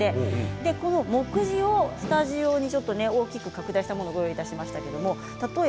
この目次をスタジオに大きく拡大したものをご用意しました。